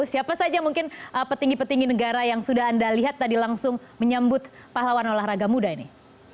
siapa saja mungkin petinggi petinggi negara yang sudah anda lihat tadi langsung menyambut pahlawan olahraga muda ini